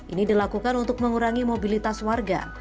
ini dilakukan untuk mengurangi mobilitas warga